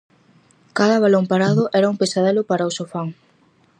Cada balón parado era un pesadelo para o Sofán.